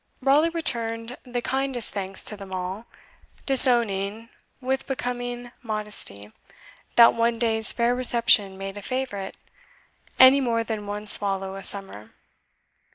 Raleigh returned the kindest thanks to them all, disowning, with becoming modesty, that one day's fair reception made a favourite, any more than one swallow a summer.